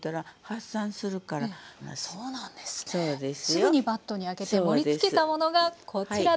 すぐにバットに空けて盛りつけたものがこちらです。